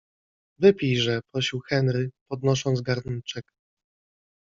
- Wypijże - prosił Henry, podnosząc garnczek.